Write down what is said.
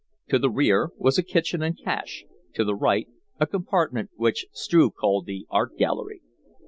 To the rear was a kitchen and cache, to the right a compartment which Struve called the art gallery.